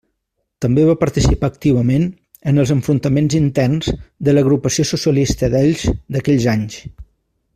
També va participar activament en els enfrontaments interns de l'Agrupació Socialista d'Elx d'aquells anys.